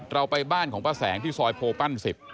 ไปบ้านของป้าแสงที่ซอยโพปั้น๑๐